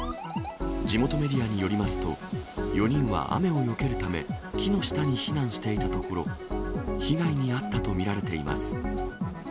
地元メディアによりますと、４人は雨をよけるため木の下に避難していたところ、被害に遭ったと見られています。